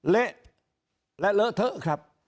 เละและเลอะเทอะครับ